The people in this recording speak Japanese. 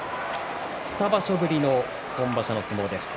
２場所ぶりの本場所の相撲です。